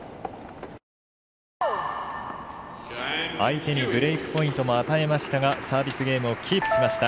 相手にブレークポイントも与えましたがサービスゲームをキープしました。